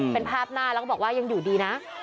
เป็นภาพหน้าอย่างหลัสอยู่ดี